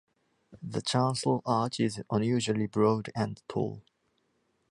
The chancel arch is unusually broad and tall.